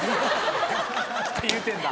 って言うてんだ。